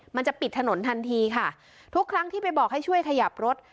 มันจะปิดถนนทันทีค่ะทุกครั้งที่ไปบอกให้ช่วยขยับรถ